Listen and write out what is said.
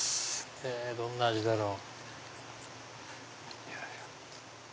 どんな味だろう？